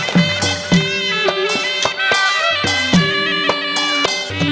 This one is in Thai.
มันได้เห็นเยี่ยมเลยอ่ะ